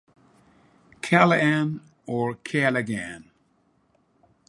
Callahan (or Callaghan).